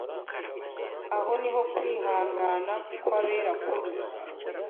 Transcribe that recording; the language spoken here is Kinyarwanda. Aho niho kwihangana kw‟abera kuri,